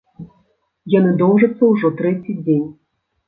Яны доўжацца ўжо трэці дзень.